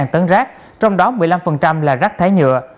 hai tấn rác trong đó một mươi năm là rác thải nhựa